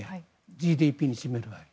ＧＤＰに占める割合。